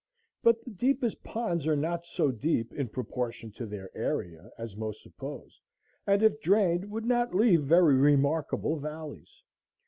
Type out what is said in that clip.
But the deepest ponds are not so deep in proportion to their area as most suppose, and, if drained, would not leave very remarkable valleys.